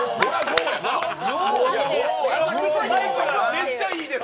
めっちゃいいです。